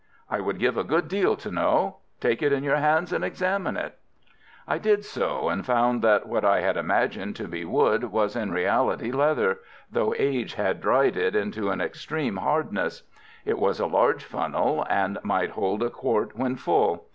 I would give a good deal to know. Take it in your hands and examine it." I did so, and found that what I had imagined to be wood was in reality leather, though age had dried it into an extreme hardness. It was a large funnel, and might hold a quart when full.